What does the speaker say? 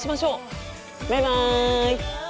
バイバイ！